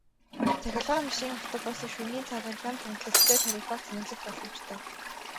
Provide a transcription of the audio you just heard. Цахилгаан машин, автобусыг шөнийн цагаар хямд хөнгөлөлттэй тарифаар цэнэглэх боломжтой.